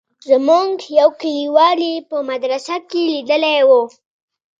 زموږ يو کليوال يې په مدرسه کښې ليدلى و.